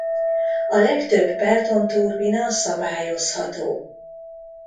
A legtöbb Pelton-turbina szabályozható.